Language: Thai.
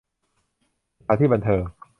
สถานที่บันเทิง